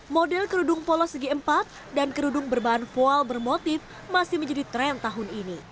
model kerudung polos segi empat dan kerudung berbahan fual bermotif masih menjadi tren tahun ini